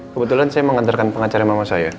kebetulan saya mau ngantarkan pengacara mama saya